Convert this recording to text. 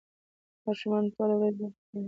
ماشومان ټوله ورځ لوبې کوي.